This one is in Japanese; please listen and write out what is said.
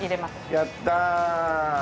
やった。